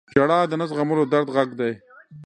• ژړا د نه زغملو درد غږ دی.